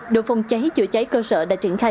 đội phòng cháy chữa cháy cơ sở đã triển khai